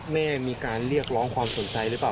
แม่มีการเรียกร้องความสนใจหรือเปล่า